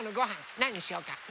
なんにしようか？